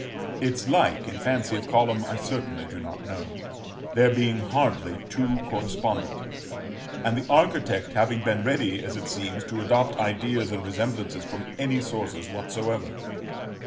Its like, in fancy of column, I certainly do not know; there being hardly two correspondent, and the architect having been ready, as it seems, to adopt ideas and resemblances from any sources whatsoever.